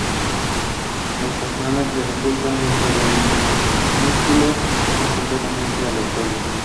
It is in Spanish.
Los patrones de ruptura dentro del músculo son completamente aleatorios.